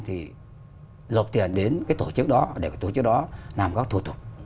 thì lột tiền đến tổ chức đó để tổ chức đó làm các thủ tục